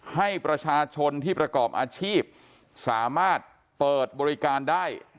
ให้ประชาชนที่ประกอบอาชีพสามารถเปิดบริการได้